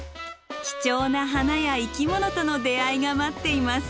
貴重な花や生き物との出会いが待っています。